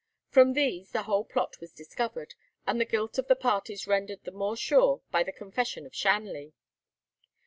From these the whole plot was discovered, and the guilt of the parties rendered the more sure by the confession of Shanley.